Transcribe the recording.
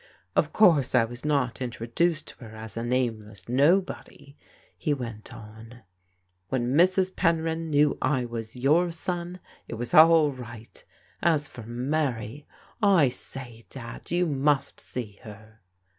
"Of course I was not introduced to her as a nameless nobody," he went on. " When Mrs. Penryn knew I was your son, it was all right. As for Mary! I say. Dad, you must see her